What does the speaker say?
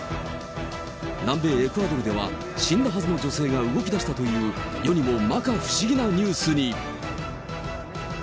南米エクアドルでは、死んだはずの女性が動きだしたという世にもまか不思議なニュースに。